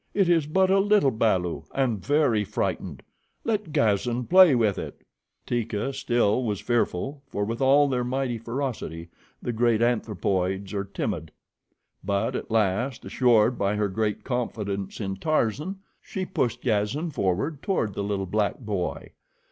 "It is but a little balu and very frightened. Let Gazan play with it." Teeka still was fearful, for with all their mighty ferocity the great anthropoids are timid; but at last, assured by her great confidence in Tarzan, she pushed Gazan forward toward the little black boy.